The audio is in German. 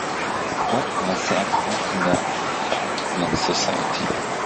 Webb war sehr aktiv in der Fabian Society.